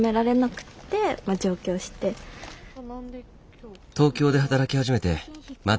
東京で働き始めてまだ２週間。